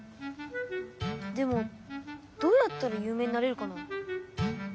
でもどうやったらゆう名になれるかな？